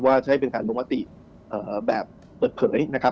ใช้เป็นการลงมติแบบเปิดเผยนะครับ